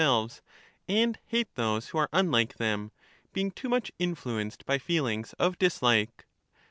selves, and hate those who are unlike them, being too much influenced by feelings of dislike.